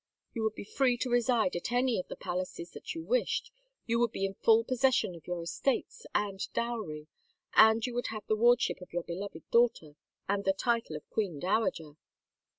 You would be free to reside at any of the palaces that you wished, you would be in full possession of your estates and dowry, and you would have the ward ship of your beloved daughter, and the title of Queen Dowager.